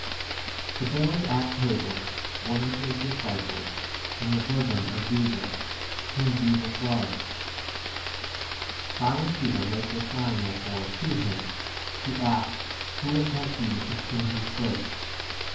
But there was at table one of his dis ciples, in the bosom of Jesus, 24 whom Jesus loved. Simon Peter makes a sign therefore to him to ask who it might be of whom he 25 spake.